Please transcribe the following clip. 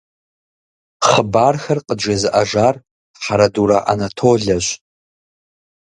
Хъыбархэр къыджезыӀэжар Хьэрэдурэ Анатолэщ.